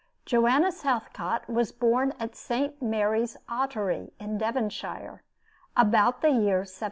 Joanna Southcott was born at St. Mary's Ottery in Devonshire, about the year 1750.